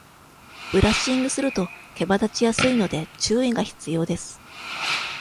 ブラッシングすると毛羽立ちやすいので、注意が必要です。